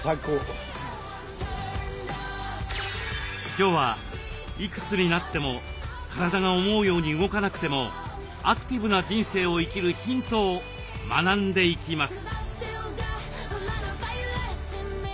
今日はいくつになっても体が思うように動かなくてもアクティブな人生を生きるヒントを学んでいきます。